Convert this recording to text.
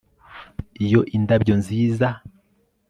Iyo ni indabyo nziza